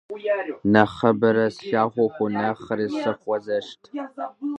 Нэхъыбэрэ слъагъуху, нэхъри сыхуэзэшт.